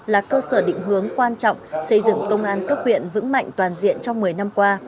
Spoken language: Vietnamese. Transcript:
là cơ sở định hướng quan trọng xây dựng công an cấp huyện vững mạnh toàn diện trong một mươi năm qua